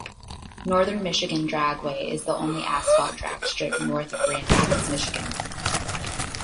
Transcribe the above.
Northern Michigan Dragway is the only asphalt dragstrip north of Grand Rapids, Michigan.